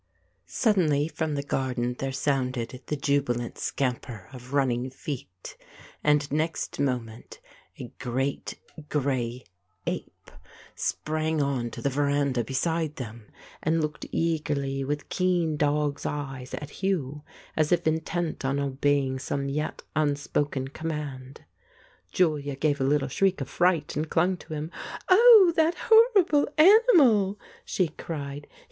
Suddenly from the garden there sounded the jubi lant scamper of running feet, and next moment a great grey ape sprang on to the veranda beside them, and looked eagerly, with keen dog's eyes, at Hugh, as if intent on obeying some yet unspoken command. Julia gave a little shriek of fright and clung to him. "Oh, that horrible animal !" she cried.